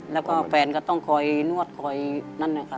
แล้วก็แฟนก็ต้องคอยนวดคอยนั่นนะคะ